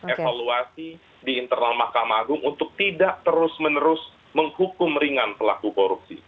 evaluasi di internal mahkamah agung untuk tidak terus menerus menghukum ringan pelaku korupsi